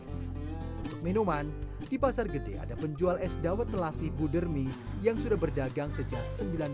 untuk minuman di pasar gede ada penjual es dawet telasi budermi yang sudah berdagang sejak seribu sembilan ratus sembilan puluh